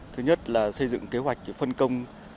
thứ nhất là xây dựng kế hoạch phân công